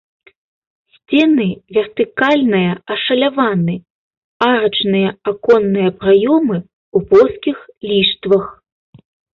Сцены вертыкальная ашаляваны, арачныя аконныя праёмы ў плоскіх ліштвах.